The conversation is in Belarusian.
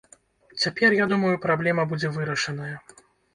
Цяпер, я думаю, праблема будзе вырашаная.